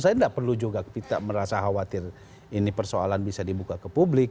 saya nggak perlu juga merasa khawatir ini persoalan bisa dibuka kepolisian